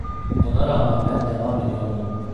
Buna rağmen ben devam ediyordum.